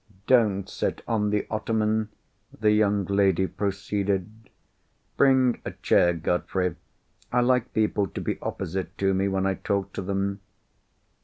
"Don't sit on the ottoman," the young lady proceeded. "Bring a chair, Godfrey. I like people to be opposite to me when I talk to them."